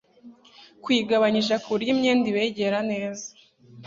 kuyigabanyisha kuburyo imyenda ibegera neza